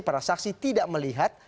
para saksi tidak melihat